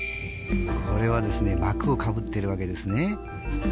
これは膜をかぶってるわけですね。